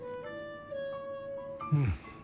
うん。